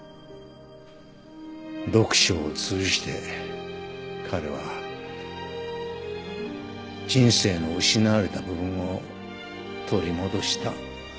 読書を通じて彼は人生の失われた部分を取り戻した。